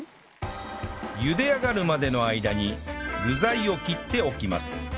茹で上がるまでの間に具材を切っておきます